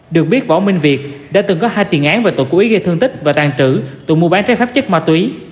được biết võ minh việt đã từng có hai tiền án về tội cú ý gây thương tích và tàn trữ tụi mua bán trái pháp chất ma túy